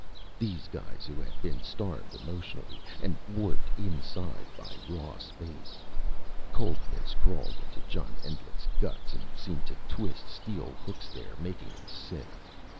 These guys who had been starved emotionally, and warped inside by raw space. Coldness crawled into John Endlich's guts, and seemed to twist steel hooks there, making him sick.